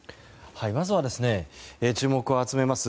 まずは、注目を集めます